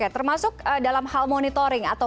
termasuk dalam hal monitoring atau